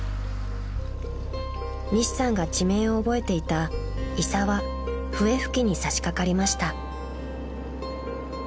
［西さんが地名を覚えていた石和笛吹にさしかかりました］